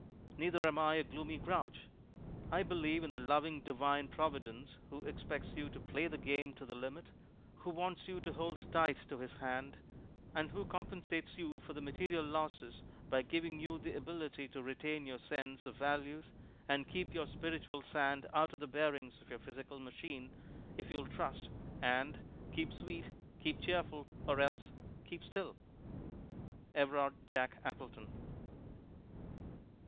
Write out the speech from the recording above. Neither am I a gloomy grouch. I believe in a loving Divine Providence Who expects you to play the Game to the limit, Who wants you to hold tight to His hand, and Who compensates you for the material losses by giving you the ability to retain your sense of values, and keep your spiritual sand out of the bearings of your physical machine, if you'll trust and 'Keep Sweet, Keep Cheerful, or else Keep Still'" Everard Jack Appleton.